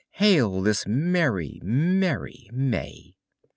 Hail this merry, merry May!